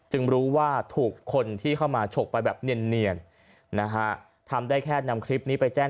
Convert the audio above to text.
รู้ว่าถูกคนที่เข้ามาฉกไปแบบเนียนนะฮะทำได้แค่นำคลิปนี้ไปแจ้ง